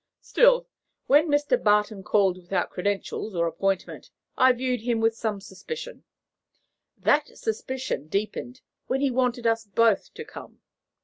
Still, when Mr. Barton called without credentials or appointment, I viewed him with some suspicion. That suspicion deepened when he wanted us both to come.